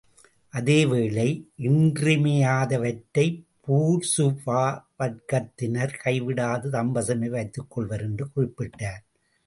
அதேவேளை இன்றியமையாதவற்றை பூர்சுவா வர்க்கத்தினர் கைவிடாது தம்வசமே வைத்துக்கொள்வர். என்று குறிப்பிட்டார்.